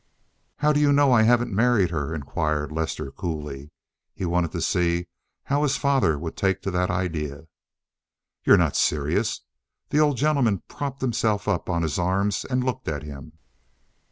"How do you know I haven't married her?" inquired Lester coolly. He wanted to see how his father would take to that idea. "You're not serious!" The old gentleman propped himself up on his arms and looked at him.